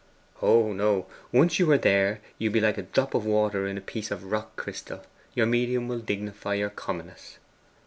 'Oh no; once you are there you'll be like a drop of water in a piece of rock crystal your medium will dignify your commonness.